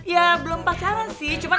ya belum pacaran sih cuma